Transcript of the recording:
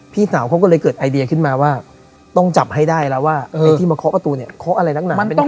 พี่สาวเขาก็เลยเกิดไอเดียขึ้นมาว่าต้องจับให้ได้แล้วว่าไอ้ที่มาเคาะประตูเนี่ยเคาะอะไรนักหนามันเป็นยังไง